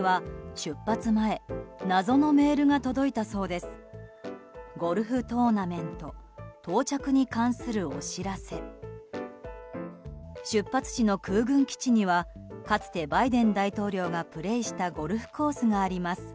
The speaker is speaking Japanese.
出発地の空軍基地にはかつてバイデン大統領がプレーしたゴルフコースがあります。